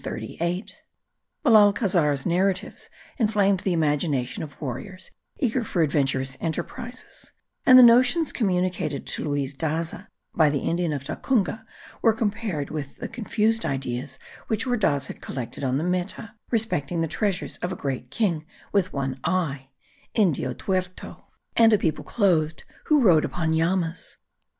Belalcazar's narratives inflamed the imagination of warriors eager for adventurous enterprises; and the notions communicated to Luis Daza by the Indian of Tacunga were compared with the confused ideas which Ordaz had collected on the Meta respecting the treasures of a great king with one eye (Indio tuerto), and a people clothed, who rode upon llamas.